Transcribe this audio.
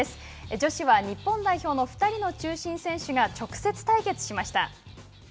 女子は、日本代表の２人の中心選手が直接対決しました。